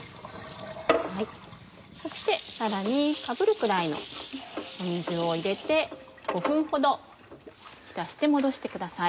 そしてさらにかぶるくらいの水を入れて５分ほど浸してもどしてください。